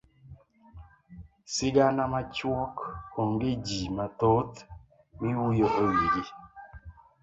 sigana machuok onge jii mathoth miwuyo ewigi.